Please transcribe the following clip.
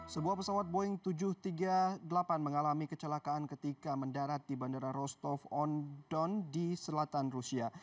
sebuah pesawat boeing tujuh ratus tiga puluh delapan mengalami kecelakaan ketika mendarat di bandara rostov on don di selatan rusia